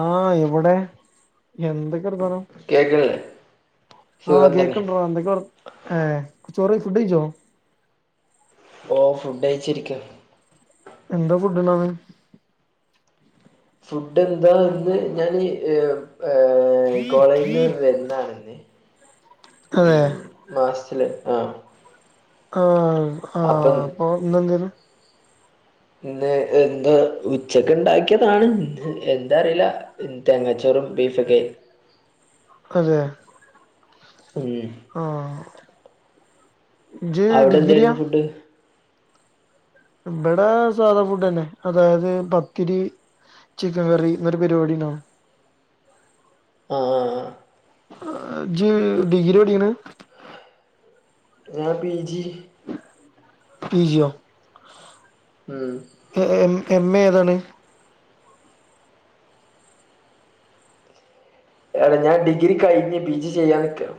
ആ എവെടെ എന്തൊക്കെ വർത്താനം കേക്കണില്ലേ ആഹ് സുഖം തന്നെ കേക്ക്ണ്ടെടാ എന്തൊക്കെവർ ഏ ചോറ് ഫുഡ്‌ കഴിച്ചോ ഓ ഫുഡ് കഴിച്ചിരിക്കാ എന്താ ഫുഡ്‌ ഉള്ളത് ഫുഡ് എന്താ ഇന്ന് ഞാൻ ഇഞ് ഏഹ് ഏ കോളേജിന്ന് വരുന്നാണെ ഇന്ന് അതെ മാസത്തില് ആഹ് ആ ഹാ അപ്പം അപ്പെ ഇന്നെന്തേയിന്നു ഇന്ന് എന്താ ഉച്ചക്ക് ഉണ്ടാക്കിയതാണ് എന്താറീല്ല തേങ്ങാ ചോറും ബീഫൊക്കെയി അതേ ഉം ആഹ് ഇജ്ജ് അവിടെ ഡിഗ്ര്രിയാ എന്തായിരുന്നു ഫുഡ് ഇവിടെ സാധാ ഫുഡ് തന്നെ അതായത് പത്തിരി ചിക്കൻ കറി ഇന്നൊരു പരിപാടി ഉണ്ടാവും ആഹ് ആഹ് ആ ഇജ്ജ് ഡിഗ്രിരി പഠിക്ക്ണ് ഞാൻ പി ജി പീ ജി യൊ ഉം എ എം എ ഏതാണ് ഏടാ ഞാൻ ഡിഗ്രി കഴിഞ്ഞ് പിജി ചെയ്യാൻ നിക്കാണ്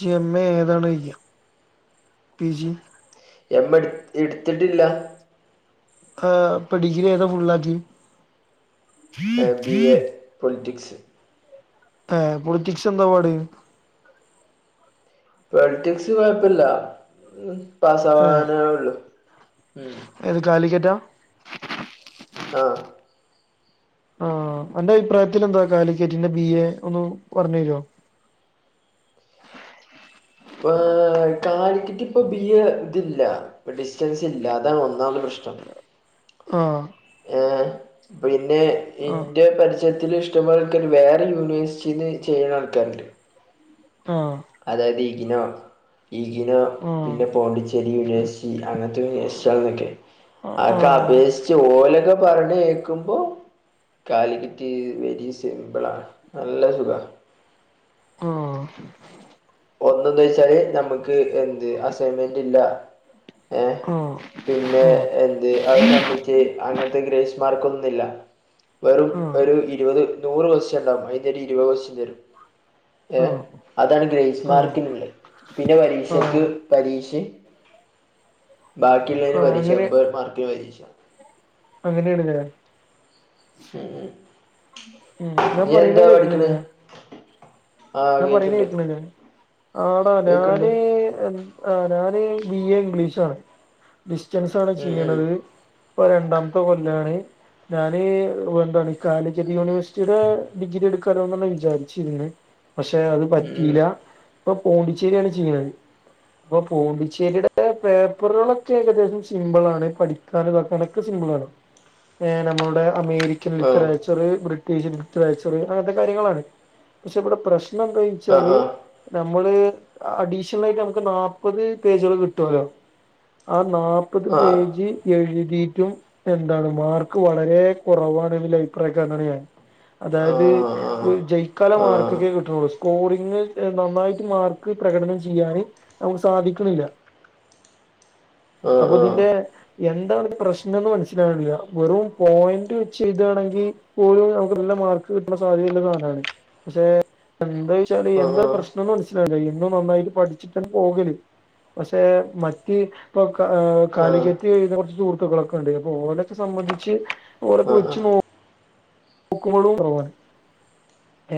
ജ്ജ് എം എ ഏതാണ് ചോയ്ക്ക പി ജി എം എ എടുത്തിട്ടില്ല ആ ഇപ്പ് ഡിഗ്രി ഏതാ ഫുള്ളാക്കി ഏ ബി എ പൊളിറ്റിക്സ് ഏ പൊളിറ്റിക്സ് എന്താപാട് പൊളിറ്റിക്സ് കൊഴപ്പല്ല പാസ്സ ഏഹ് ആവാനൊള്ളു ഉം ഏത് കാലിക്കറ്റാ ആ ആഹ് അന്റെ അഭിപ്രായത്തിൽ എന്താ കാലിക്കേറ്റിന്റെ ബി എ ഒന്ന് പറഞ്ഞെരോ ഇപ്പം കാലിക്കറ്റ് ഇപ്പ ബിഎ ഇതില്ല ഡിസ്റ്റൻസ് ഇല്ല അതാണ് ഒന്നാമത്തെ പ്രശ്നം ആഹ് ഏ പിന്നെ ആഹ് ഇന്റെ പരിസ് രത്തില് ഇഷ്ട്ടം പോലെ ആൾക്കാർ വേറെ യൂണിവേഴ്സിറ്റില് ചെയ്യുന്ന ആൾക്കാരുണ്ട് ആ അതായത് ഇഗ്‌ നോ ഇഗ്‌ നോ പിന്നെ പോണ്ടിച്ചേരി യൂണിവേഴ്‌സിറ്റി അങ്ങനത്തെ യൂണിവേസിറ്റി ആഹ് അതൊക്കെ ആഹ് അപേക്ഷിച്ച് ഓലൊക്കെ പറഞ്ഞ് കേക്കുമ്പോ കാലിക്കറ്റ് വെരി സിമ്പിളാണ് നല്ല സുഖാ ഓ ഒന്നന്ന് വെച്ചാല് നമുക്ക് എന്ത് അസൈൻമെന്റ് ഇല്ല ഏ ആഹ് ആഹ് ആഹ് പിന്നെ എ അത് ശമ്മിച്ച് അങ്ങനത്തെ ഗ്രസ് മാർക്ക് ഒന്നും ഇല്ല വെറും ആഹ് ഒരു ഇരുപത് നൂറ് കൊസ്റ്റ്യൻ ഉണ്ടാവും അതിൽ ഒരു ഇരുപത് കൊസ്റ്റ്യൻ തരും ആഹ് ഏ ആഹ് അതാണ് ഗ്രേസ് മാർക്കിന പിന്നെ ആഹ് പരീക്ഷക്ക് ആഹ് പരീക്ഷ ബാക്കിയുള്ളതിന് പരീക്ഷ അങ്ങനെ എമ്പത് മാർക്കിൽ പരീക്ഷ അങ്ങനെയാണ്ത് ഉം ഞാൻ നീ പറയണ് എന്താ പഠിക്കണ കേക്ക്ണില്ലേ ആ ഞാൻ പറയ്ണെ കേക്കണ്ട് കേക്ക്ണില്ലേ ആടാ കേക്കണ്ട് ഞാന് ആ ഞാന് ബി എ ഇംഗ്ലീഷ് ആണ് ഡിസ്റ്റൻസ് ആണ് ഉം ചെയ്യണത് ഇപ്പൊ രണ്ടാമത്തെ കൊല്ലാണ് ഞാന് എന്താണ് ഈ കാലിക്കറ്റ് യൂണിവേഴ്സിറ്റിയുടെ ഡിഗ്രി എടുക്കാണോന്നാണ് വിചാരിച്ചിനി പക്ഷെ അത് ഉം ഉം പറ്റിയില്ല ഇപ്പൊ പോണ്ടിച്ചേരിയാണ് ചെയ്യുന്നത് അപ്പൊ പോണ്ടിച്ചേരിയുടെ പേപ്പറുകളൊക്കെ ഏകദേശം സിമ്പിൾ ആണ് പഠിക്കാനും നോക്കാനൊക്കെ സിമ്പിൾ ആണ് നമ്മുടെ അമേരിക്ക രിക്ക ഉം ലിറ്ററേച്ചറ് ബ്രിട്ടീഷ് ലിറ്ററേച്ചറ് അങ്ങനത്തെ കാര്യങ്ങളാണ് പക്ഷെ ഇവിടെ പ്രശ്നം എന്ത ആ വച്ചാല് നമ്മള് അഡീഷണൽ ആയിട്ട് നമുക്ക് നാല്പത് പേജുകൾ കിട്ടുമല്ലോ ആ നാല്പ്പത് ആ ആ ആ പേജി എഴുതിട്ടും എന്താണ് മാർക്ക് വളരെ കുറവാാണ് ന്ന്ള്ള അഭിപ്രായക്കാരനാണ് ഞാൻ ആ അതായത് ജയിക്കാൻള്ള ആ ആ മാർക്ക ഒക്കെ കിട്ടുള്ളൂ സ്കോറിംഗ് നന്നായിട്ട് മാർക്ക് പ്രകടനം ചെയ്യാന് നമുക്ക് സാധിക്കുന്നില്ല ആഹ് അപ്പൊ ഇതിന്റെ ആഹ് എന്താണ് പ്രശ്നംന്ന് മനസ്സിലാവില്ല വെറും പോയിന്റ് വെച്ച് എഴ്തുകയാണെങ്കിൽ പോലും നമുക്ക് നല്ല മാർക്ക് കിട്ടുന്ന സാധ്യതയല്ല അതാണ് പക്ഷെ എന്താച്ചാല് എന്താ ആഹ് പ്രശ്നം എന്ന് മന ല്ല ഇന്നും നന്നായിട്ട് പഠിച്ചിട്ടും പോകല് പക്ഷെ മറ്റ് ഇപ്പൊ കാ ആഹ് ആഹ് കാലികത്ത് കുറച്ച് സുഹൃത്തുക്കളൊക്കെ ഇണ്ട് അപ്പൊ ഓലൊക്കെ സംബന്ധിച്ച് ഓല്ലക്കെ ആഹ് ഒച്ച് ആഹ് പോവും നോക്കുമ്പോളും കുറവാണ്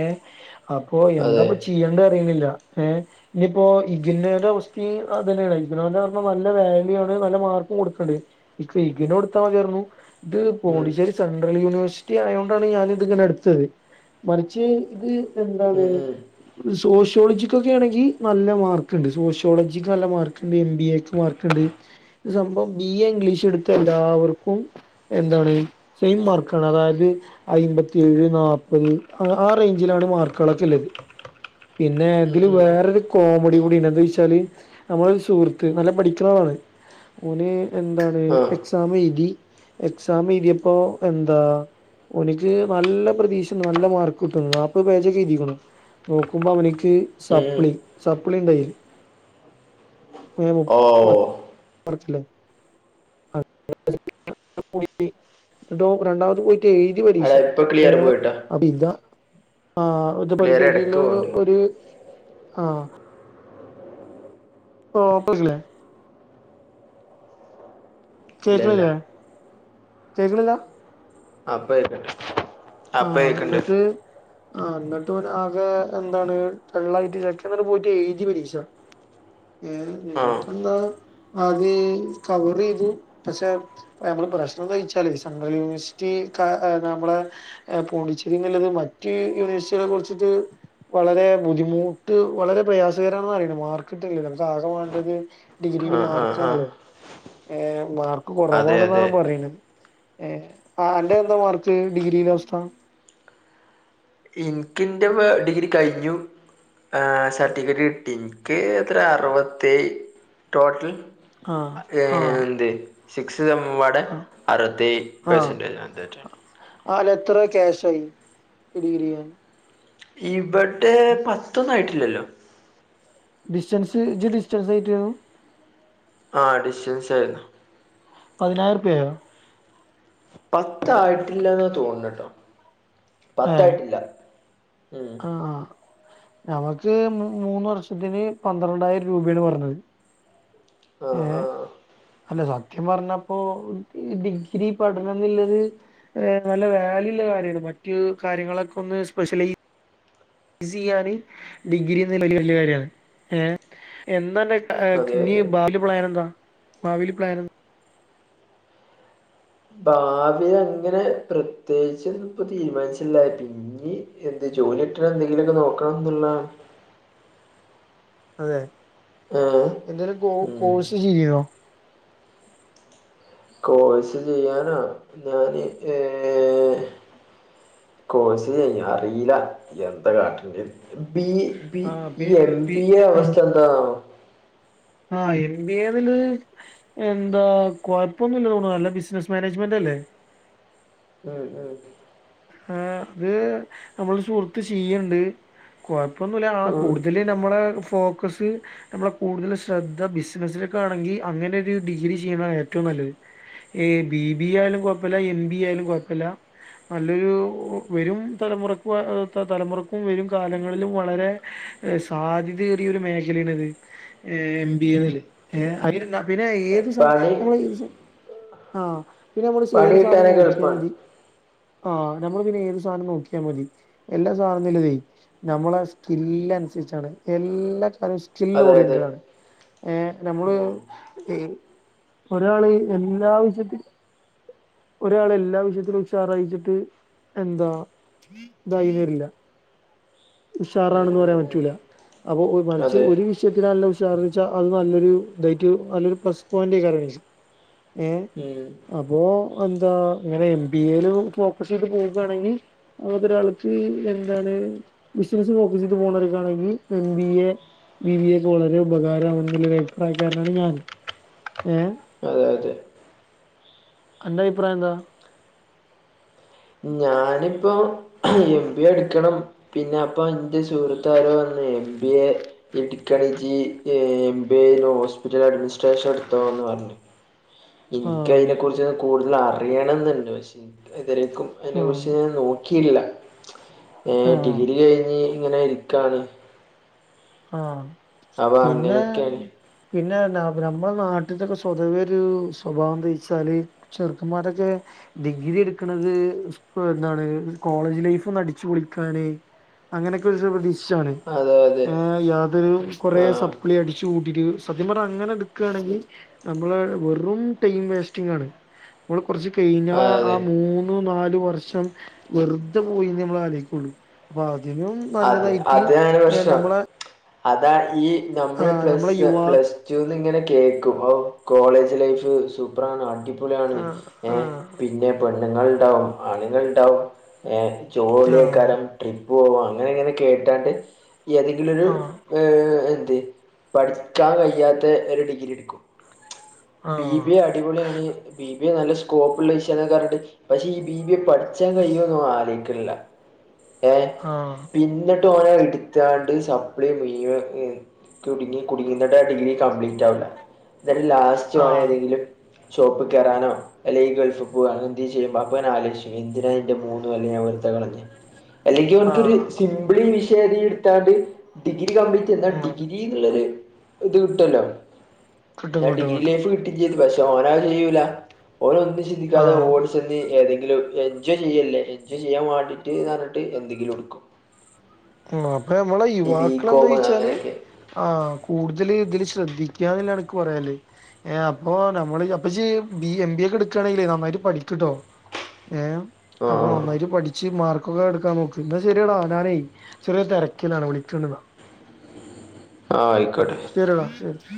ഏ അപ്പൊ അതെ എന്താപ്പ ചെയ്യണ്ട അറിയണില്ല ഏ ഇനിയിപ്പോ ഇഗിന്നയുടെ അവസ്തി അത് തന്നെയാണ് ഇഗന പറഞ്ഞാ നല്ല വാല്യു ആണ് നല്ല മാർക്കും കൊടുക്കണ്ടെ ഇഗിന കൊടുത്താ മതിയായിരുന്നു ഇത് ഉം പോണ്ടിശേരി സെൻട്രൽ യൂണിവേഴ്സിറ്റി ആയോ ഞാന് ഇതിങ്ങനെ എടുത്തത് മറിച്ച് ഇത് എന്താണ് ഉം ഉം സോഷ്യോളജിക്ക്ക്കെ ആണെങ്കി നല്ല മാർക്ക്ണ്ട് സോഷ്യോളജിക്ക് നല്ല മാർക്ക് ഇണ്ട് എം ബി എക്ക് മാർക്ക്ണ്ട് സംഭവം ബി എ ഇംഗ്ലീഷ് എടുത്ത എല്ലാവർക്കും എന്താണ് സെയിം മാർക്കാണ് അതായത് അയിമ്പത്തിയേഴ് നാല്പത് ആഹ് ആ റേഞ്ചിലാണ് മാർക്കളൊക്കെ ഇള്ള പിന്നെ ഉം എങ്കിലും ഉം വേറൊരു കോമഡി കൂട എന്താ വെച്ചാല് നമ്മളരു സുഹൃത്ത് നല്ല പഠിക്കുന്ന ആളാണ് ഓന് എന്താണ് ആഹ് എക്സാം എഴുതി എക്സാം എഴുതിയപ്പോ എന്താ ഒനിക്ക് നല്ല പ്രതീക്ഷ നല്ല മാർക്ക് കിട്ടുന്നു നാപ്പ പേജൊക്കെ എഴുതിക്ക്ണ് നോക്കുമ്പോ അവനിക്ക് ഉം ഉം സപ്പ്ളി സപ്പ്ളിണ്ടൈൽ മുപ്പ ഓഹ് പറത്തില്ലേ [unintelligible] ന്ന്ട്ട് ഓൻ രണ്ടാമത് പോയി എഴുതി പരീക്ഷ എടാ ഇപ്പൊ ഏ ക്ലിയർ പോയിട്ടാ അപിതാ ആഹ് അത് ക്ലിയർ എടക്ക് പഠിത്തരിലോ പോണ്ട് ഒര് ആഹ് ഓ പോകില്ലേ ഇല്ല ഇല്ല കേക്ക്ണില്ലേ കേക്ക്ണില്ല ആഹ് ഇപ്പ കേക്ക്ണ്ട് അപ്പ ആഹ് കേക്ക്ണ്ട് ന്ന്ട്ട് ആഹ് ന്ന്ട്ട് ഇവന് ആകെ എന്താണ് ഡെൾ ആയിട്ട് ചെക്കൻ പോയിട്ട് എഴുതി പരീക്ഷ ആഹ് എന്നിട്ട്ന്താ ആദ്യം കവർ ചെയ്തു പക്ഷെ നമ്മള് പ്രശ്നം എന്താന്ന് വെച്ചാൽ സെൻട്രൽ യൂണിവേഴ്സിറ്റി നമ്മളെ പോണ്ടിച്ചേരി എന്നുള്ളത് മറ്റ് യൂണിവേഴ്സിറ്റികളെ കുറിച്ചിട്ട് വളരെ ബുദ്ധിമുട്ട് വളരെ പ്രയാസക്കരാന്നാ അറിയുന്നത്ത് മാർക്ക് കിട്ടുന്നില്ല നമുക്ക് ആകെ വേണ്ടത് ഡിഗ്രിക്ക് ആഹ് ആഹ് ആഹ് മാർക്കാണല്ലോ ഏ മാർ അതെ അതെ കുറവാണെന്നാണ് പറയുന്നത് അന്റെ എന്താ മാർക്ക് ഡിഗ്രിയിലെ അവസ്ഥ ഇന്ക്ക് ഇന്റെ ഡിഗ്രി കഴിഞ്ഞു ആഹ് സർട്ടിഫിക്കറ്റ് കിട്ടി ഇന്ക്ക് എത്രെ അറുപത്തിഏയ് ടോട്ടൽ ആഹ് ഏ ആഹ് തെ സിക്സ്സെമുംപാടെ ആ അറുപത്തിഏഴു പെർസെന്റേജ് അങ്ങനെറ്റ ആഹ് എത്ര ക്യാഷായി ഡി ക്കി രി കാന് ഇവടെ പത്തൊന്നായിട്ടില്ലല്ലോ ഡിസ്റ്റൻസ് ഇജ് ഡിസ്റ്റൻസ് ആയിട്ടാ ആഹ് ഡിസ്റ്റൻസ് ആയിരുന്നു പതിനായിരറുപ്പായോ പത്ത് ആയിട്ടില്ല ന്നാ തോന്നട്ടോ ഏ പത്തായിട്ടില്ല ആഹ് ഞങ്ങക്ക് മൂന്ന് വർഷത്തിന് പന്ത്രണ്ടായിരം രൂപയാണ് പറഞ്ഞത് ഏ ആഹ് ആഹ് അല്ല സത്യം പറഞ്ഞപ്പോ ഡിഗ്രി പഠനന്ന്ള്ളത് ഹേ നല്ല വാല്ലുള്ള കാര്യാണ് മറ്റു കാര്യങ്ങളൊക്കെ ഒന്ന് സ്പെഷ്യലൈ ഷിയ്യാൻ ഡിഗ്രിന്ന് വലിയ കാര്യാണ് ഏ എന്നാണ് അതെ ഇനി അതെ ഭാവിയിൽ പ്ലാൻ എന്താ ഭാവിയിൽ പ്ലാൻ ഭാവി അങ്ങനെ പ്രത്യേകിച്ച് ഇപ്പൊ തീരുമാനിച്ചില്ല [unintelligible] ഈ എന്റെ ജോലി ഒക്കെ എന്തെങ്കിലുമൊക്കെ നോക്കണം ന്നുള്ളതാണ് അതെ ആഹ് എന്തെങ്കിലും കോ കോഴ്സ് ചെയ്യോ കോഴ്സ് ചെയ്യാനോ ഞാന് ഏ [inaudible] കോഴ്സ് [unintelligible] അറീല്ല എന്താ കാട്ടെട്ടേന്ന് ബീ ബീ ആഹ് P E M P B A ആഹ് അവസ്ഥ എന്താണാവോ ആഹ് എം ബി എ എന്ന്ള്ളത് എന്താ കൊഴപ്പൊന്നും ഇല്ല തോന്നുന്നു നല്ല ബിസിനസ് മാനേജ്മെന്റ് അല്ലേ ആഹ് ആഹ് ഉം ഉം അത് നമ്മളെ സുഹൃത്ത് ചെയ്യ്ണ്ട് കൊഴപ്പൊന്നുല്ല ഉം കൂടുതല് നമ്മളെ ഫോക്കസ്സ് നമ്മളെ കൂടുതല് ശ്രദ്ധ ബിസിനസ്സിലൊക്കെ ആണെങ്കി അങ്ങനെ ഒരു ഡിഗ്രി ചെയ്യുന്നതാ ഏറ്റവും നല്ലത്. ഈ ബി ബി എ ആയാലും കൊഴ്പ്പല്ല എം ബി എ ആയാലും കൊഴ്പ്പല്ല നല്ലൊരു വരും തലമുറക്ക് ഏ തലമുറക്കും വരും കാലങ്ങളിലും വളരെ സാധ്യത ഏറിയ ഒരു മേഖലേണത് എം ബി എ എന്ന്ള്ളത് പിന്നെ ഏത് സാധനും പണി നമ്മള് ആഹ് പിന്നെ നമ്മൾ പണി ഏത് സാധനം കിട്ടാനൊക്കെ നോക്കിയാ എളുപ്പാണ് മതി ആഹ് നമ്മള് പിന്നെ ഏത് സാനും നോക്കിയാ മതി എല്ലാം സാധനത്തിലും നമ്മളെ സ്കില്ല് അൻസർച്ചാണ് എല്ലാ [unintelligible] സ്കിൽ അതെ അതെ ഓറിയൻറ്റഡ് ആണ് ഏ നമ്മള് ഉം ഒരാള് എല്ലാ വിഷ്യത്തിലും ഒരാള് എല്ലാ വിഷ്യത്തിലും ചാറയ്ച്ചിട്ട് എന്താ ഇതായി [unintelligible] ഉം ഉഷാറാണെന്ന് ഉം പറയാൻ ഉം പറ്റൂല അപ്പൊ മറിച്ച് അതെ ഒരു വിക്ഷത്തിനല്ല ഉഷാർച്ചാ അത് നല്ലൊരു ഇതായിട്ട് നല്ലൊരു പ്ലസ് പോയിന്റ [unintelligible] ഏഹ് ഉം അപ്പോ എന്താ ഇങ്ങനെ എം ബി എയില് ഫോക്കസ് ചെയ്ത് പോകാണെങ്കി ഏതൊരാൾക്ക് എന്താണ് ബിസിനസ് [unintelligible] പോവാണെങ്കിൽ എം ബി എ വി വിയെ [unintelligible] വളരെ ഉപകാരമാണെന്നുള്ള ഒരു അഭിപ്രായക്കാരനാണ് ഞാൻ ഏ അതെ അതെ അന്റെ അഭിപ്രായംന്താ ഞാനിപ്പം എം ബി എ ഇട്ക്കണം പിന്നെ അപ്പൊ എന്റെ സുഹൃത്താരോ പർഞ്ഞ് എം ബി എ ഇട്ക്കാണെങ്കി ഏ M B A hospital administration ഇട്ന്ന് പർഞ്ഞു. ആഹ് എനിക്കയ്നെ കുർച്ച് കൂടുതൽ അറിയണംന്ന്ണ്ട് പക്ഷെ ഇത്‌ വരെക്കും അതിനെ ആഹ് കുർച്ച് ഞാൻ നോക്കിയില്ല ഏ ആഹ് ഡിഗ്രി കഴിഞ്ഞ് ഇങ്ങനെ ഇരിക്കാണ് ആഹ് അപ്പൊ പിന്നെ അങ്ങനെയൊക്കെയാണ് പിന്നെഎന്ത പറിയ നമ്മുടെ നാട്ടിലൊക്കെ സ്വതവേ ഒരു സ്വഭാവം ന്താച്ചാല് ചെർക്കൻമാരൊക്കെ ഡിഗ്രി എട്ക്ക്ണത് സ് എന്താണ് കോളേജ് ലൈഫ് അടിച്ചുപൊളിക്കാന് അങ്ങനെയൊക്കെ ഒരു പ്രതീക്ഷാണ്. അതെ. അതെ യാതൊരു കുറെ ആ സപ്പ്ളി അടിച്ചു കൂട്ടിട്ട് സത്യം പറഞ്ഞ അങ്ങനെ എടുക്കാണെങ്കി നമ്മള് വെറും ടൈം വേസ്റ്റിംങ്ങ് ആണ് നമ്മൾ കൊറച്ച് കഴിഞ്ഞാ ആ അതെ മൂന്ന് ന്നു നാല് വർഷം വെറുതെ പോയി നമ്മള് ആലോയ്ക്കുള്ളു അപ്പൊ അതിനും അതെ നല്ലതായിട്ട് അതാണ് ഏഹ് പ്രശ്നം നമ്മളെ അതാ ഈ നമ്മൾ ആ, നമ്മളെ പ്ലസ് യുവാ പ്ലസ് ടു ന്ന് ഇങ്ങനെ കേക്കും അ കോളേജ് ലൈഫ് സു പ്രാണ് അടിപൊളിയാണ് ആഹ് ഏഹ് ആഹ് പിന്നെ പെണ്ണുങ്ങൾ ഉണ്ടാവും ആണുങ്ങൾ ഉണ്ടാവും ഏ ജോളിയേക്കാരം ആഹ് ട്രിപ്പ് പോവും അങ്ങനെ ഇങ്ങനെ കേട്ടാണ്ട് ഏതെങ്കിലും ഒരു ആഹ് ഏഹ് എന്ത് പഠിക്കാൻ കഴിയാത്ത ഒരു ഡിഗ്രി എടുക്കും. ബി ആഹ് ബി എ അടിപൊളിയാണ് ബി ബി എ നല്ല സ്കോപ്പ്ള്ള വിശയാണ് ന്ന് ഒക്കെ പറഞ്ഞിട്ട് പക്ഷെ ഈ ബി ബി എ പഠി ച്ചാൻ കയ്യോന്ന് ആലോയ്ക്കണില്ല ഏഹ്? ആഹ്. പിന്നിട്ട് ഓന എടുത്താണ്ട് സപ്ലി മുയിവ ഏഹ് കുടുങ്ങി കുടുങ്ങീട്ടാടെ ഡിഗ്രി കംപ്ലീറ്റ് ആവില്ല എന്നിട്ട് ലാസ്റ്റ് ഓൻ ആഹ് ഏതെങ്കിലും ഷോപ്പ് കേറാനോ അല്ലെ ഈ ഗൾഫ് പോവാണ് എന്തെ ചെയ്യുമ്പ അപ്പവൻ ആലോയിച്ചും എന്തിന ഇന്റെ മൂന്ന് കൊല്ലം ഞാൻ വേർതെ കളഞ്ഞെ. അല്ലെങ്കി ആഹ് അവൻക്കൊരു ആഹ് സിംപിൾ വിഷയം ഏതെയും എടുത്താണ്ട് ഡിഗ്രി കംപ്ലീറ്റ് ചെയ്യുന്ന എന്ന ഉം ഡിഗ്രി നല്ലോരു ഇത് കിട്ടു അല്ലോ. കിട്ടും കിട്ടും കിട്ടും. കിട്ടി ചെയ്ത് പക്ഷെ ഓനത് ചെയ്യൂല ഓന് ഒന്നും ചിന്തിക്കാതെ ആഹ് ഓടി ചെന്തി ഏതെങ്കിലും എൻജോയ് ചെയ്യല്ലേ എൻജോയ് ചെയ്യാൻ വാണ്ടീട്ട് എന്ന് പറഞ്ഞിട്ട് എന്തെങ്കിലും എടുക്കും. അപ്പൊ ഞമ്മളെ ഈ യുവാക്കള് ബികോം എന്തോയിച്ചാല് അങ്ങനെയൊക്കെ ആഹ് കൂടുതല് ഇതില് ശ്രദ്ധിക്കാനില്ല എനിക്ക് പറയാനില്ലേ. ഏഹ് അപ്പൊ നമ്മള് അപ്പ ചെയ്യും ബി എം ബി ഒക്കെ എടുക്കയാണെല് നന്നായിട്ട് പഠിക്ക്ട്ടോ. ഏഹ് ആ അപ്പൊ നന്നായിട്ട് പഠിച്ച് മാർക്കൊക്കെ എടുക്കാൻ നോക്ക് എന്നാ ശരിയെടാ ഞാനേ ചെറിയ ഒരു തിരക്കിലാണ് വിളിക്ക ഒന്നൂട. ആഹ് ആയിക്കോട്ടെ. ശെരിടാ ശരി.